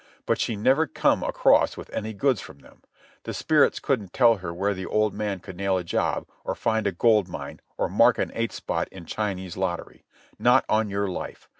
But she never come across with any goods from them. The spirits couldn't tell her where the old man could nail a job or find a gold mine or mark an eight spot in Chinese lottery. Not on your life.